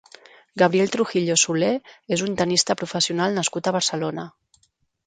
Gabriel Trujillo-Soler és un tennista professional nascut a Barcelona.